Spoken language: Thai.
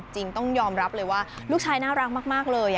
ต้องยอมรับเลยว่าลูกชายน่ารักมากเลย